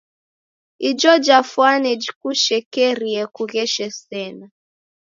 Ijo jafwane jikushekerie kugheshe sena.